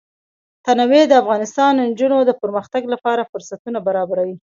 تنوع د افغان نجونو د پرمختګ لپاره فرصتونه برابروي.